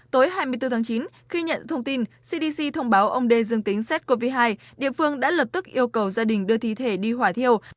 tối hai mươi bốn tháng chín khi nhận thông tin cdc thông báo ông đê dương tính sars cov hai địa phương đã lập tức yêu cầu gia đình đưa thi thể đi hỏa thiêu